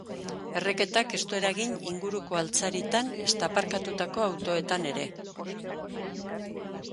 Erreketak ez du eragin inguruko altzaritan ezta aparkatutako autoetan ere.